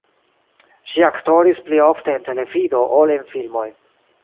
Ŝi aktoris pli ofte en televido ol en filmoj.